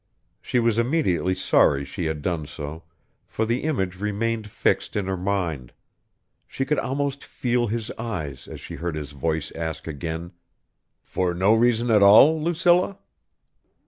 She was immediately sorry she had done so, for the image remained fixed in her mind; she could almost feel his eyes as she heard his voice ask again, "For no reason at all, Lucilla?"